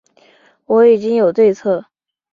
我已经有对策